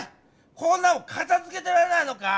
こんなのかたづけてられないのか？